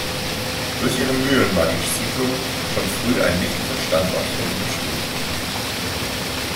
Durch ihre Mühlen war die Siedlung schon früh ein wichtiger Standort der Industrie.